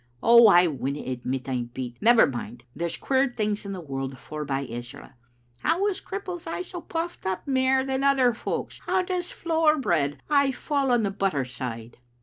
"Oh, I winna admit I'm beat. Never mind, there's queer things in the world forby Ezra. How is cripples aye so puffed up mair than other folk? How does flour bread aye fall on the buttered side?"